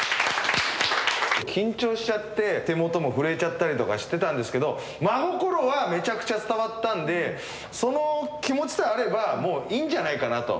緊張しちゃって手元もふるえちゃったりとかしてたんですけど真心はめちゃくちゃ伝わったんでその気持ちさえあればもういいんじゃないかなと。